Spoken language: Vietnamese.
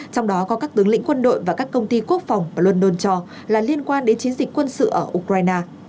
trong đó có các tướng lĩnh quân đội và các công ty quốc phòng và london cho là liên quan đến chiến dịch quân sự ở ukraine